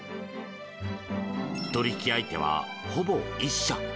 取引相手は、ほぼ１社。